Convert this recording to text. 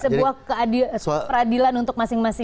jadi sebuah peradilan untuk masing masing